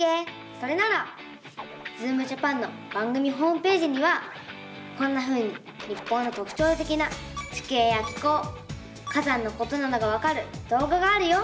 それなら「ズームジャパン」の番組ホームページにはこんなふうに日本のとくちょうてきな地形や気候火山のことなどがわかるどうががあるよ！